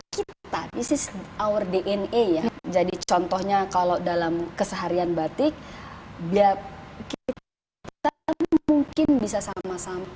kita bisa our dna ya jadi contohnya kalau dalam keseharian batik biar mungkin bisa sama sama